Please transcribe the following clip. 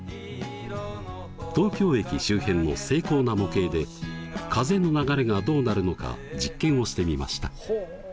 東京駅周辺の精巧な模型で風の流れがどうなるのか実験をしてみました。